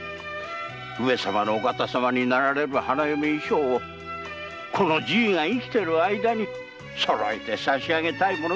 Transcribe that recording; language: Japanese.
上様の御方様になられる方の花嫁衣装をこのじいが生きている間に揃えてさしあげたいものでございます。